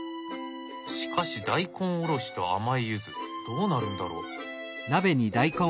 しかし大根おろしと甘いユズどうなるんだろう？